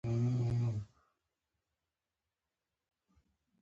آیا د ولسي تړون پروګرام کار کوي؟